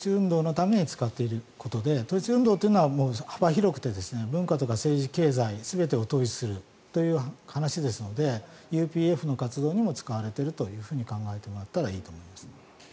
これは先ほど言いましたように統一運動のために使っているということで統一運動は幅広くて文化とか政治経済全てを統一するという話ですのでＵＰＦの活動にも使われていると考えてもらったらいいと思います。